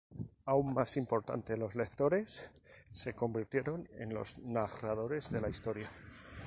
Aún más importante, los lectores se convirtieron en los narradores de la historia.